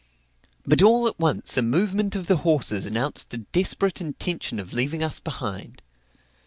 But all at once a movement of the horses announced a desperate intention of leaving us behind.